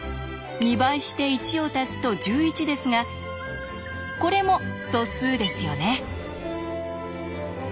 ２倍して１を足すと１１ですがこれも素数ですよね。